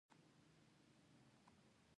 محمد بن تغلق پوه خو جنجالي پاچا و.